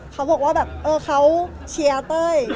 เขาบอกว่าแบบเออเขาเชียร์เต้ย